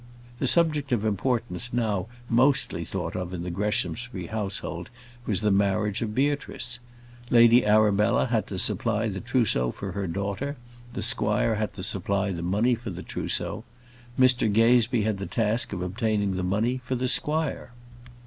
The subject of importance now mostly thought of in the Greshamsbury household, was the marriage of Beatrice. Lady Arabella had to supply the trousseau for her daughter; the squire had to supply the money for the trousseau; Mr Gazebee had the task of obtaining the money for the squire.